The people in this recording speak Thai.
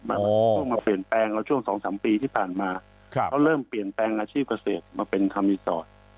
มันเพิ่งมาเปลี่ยนแปลงเราช่วงสองสามปีที่ผ่านมาเขาเริ่มเปลี่ยนแปลงอาชีพเกษตรมาเป็นคารีสอร์ท